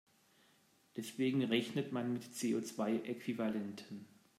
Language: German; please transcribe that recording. Deswegen rechnet man mit CO-zwei-Äquivalenten.